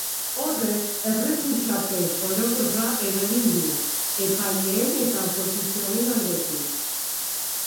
Horrek errefusapen orokorra eragin du, epaileen eta oposizioaren aldetik.